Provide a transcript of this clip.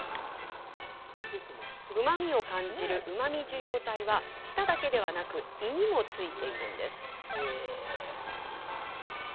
うまみを感じる、うまみ受容体は舌だけではなく胃にも付いているんです。